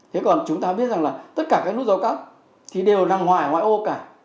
thế còn chúng ta biết rằng là tất cả các nút giao cắt thì đều nằm ngoài ngoại ô cả